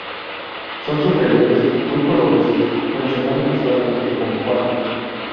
Son sus relieves muy coloristas, funcionando visualmente como cuadros.